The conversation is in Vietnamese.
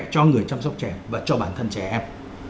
cho người chăm sóc trẻ và cho bản thân trẻ em